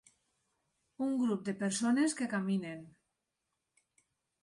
Un grup de persones que caminen